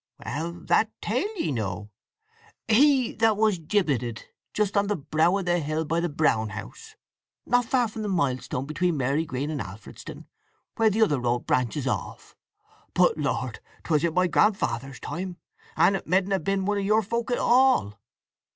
"Well—that tale, ye know; he that was gibbeted just on the brow of the hill by the Brown House—not far from the milestone between Marygreen and Alfredston, where the other road branches off. But Lord, 'twas in my grandfather's time; and it medn' have been one of your folk at all."